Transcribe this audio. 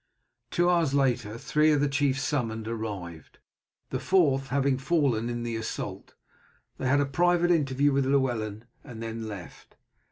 Two hours later three of the chiefs summoned arrived, the fourth having fallen in the assault. They had a private interview with Llewellyn and then left.